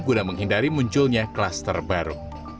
guna menghindari munculnya klaster baru